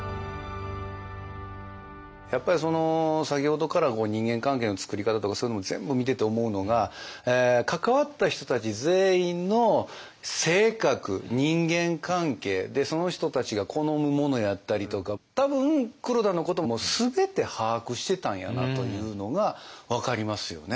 やっぱり先ほどから人間関係のつくり方とかそういうのを全部見てて思うのが関わった人たち全員の性格人間関係その人たちが好むものやったりとか多分黒田のことも全て把握してたんやなというのが分かりますよね。